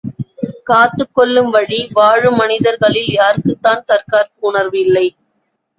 காத்துக் கொள்ளும் வழி வாழும் மனிதர்களில் யாருக்குத்தான் தற்காப்பு உணர்வு இல்லை!